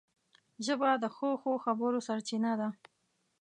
ژبه د ښو ښو خبرو سرچینه ده